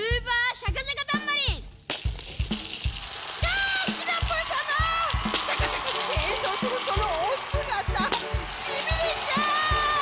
シャカシャカしてえんそうするそのおすがたしびれちゃう！